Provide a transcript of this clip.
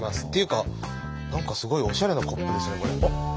っていうか何かすごいおしゃれなコップですねこれ。